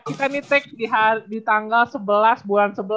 kita ini tag di tanggal sebelas bulan sebelas